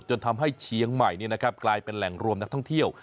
จนทำให้เชียงใหม่กลายเป็นแหล่งรวมนักท่องเที่ยว